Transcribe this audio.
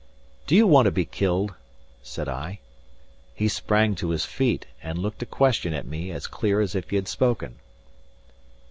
"Do ye want to be killed?" said I. He sprang to his feet, and looked a question at me as clear as if he had spoken.